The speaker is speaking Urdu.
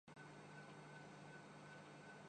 بانڈز کی قیمتیں بلند تھیں